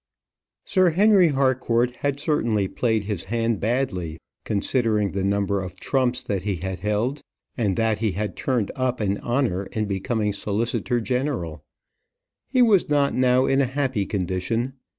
Sir Henry Harcourt had certainly played his hand badly, considering the number of trumps that he had held, and that he had turned up an honour in becoming solicitor general. He was not now in a happy condition.